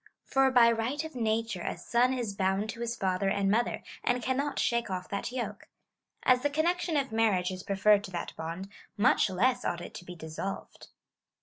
For by right of nature a son is bound to his father and mother, and cannot shake off that yoke. As the connection of marriage is preferred to that bond, much less ought it to be dissolved. 11.